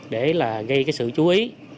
để gây sự chú ý